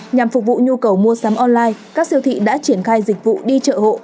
nhằm phục vụ nhu cầu mua sắm online các siêu thị đã triển khai dịch vụ đi chợ hộ